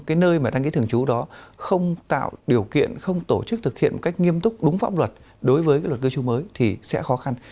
cái nơi mà đăng ký thường trú đó không tạo điều kiện không tổ chức thực hiện một cách nghiêm túc đúng pháp luật đối với cái luật cư trú mới thì sẽ khó khăn